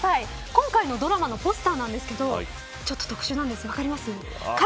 今回のドラマのポスターなんですけど特殊なんですが分かりますか。